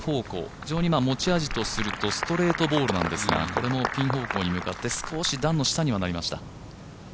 非常に持ち味とするとストレートボールなんですが、これもピン方向に向かって少し段の下にはなりました。